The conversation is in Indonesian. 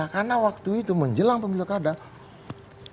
karena waktu itu menjelang pemilu kadal